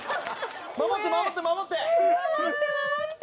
守って守って守って！